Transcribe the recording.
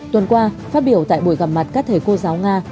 tuần qua phát biểu tại buổi gặp mặt các thầy cô giáo nga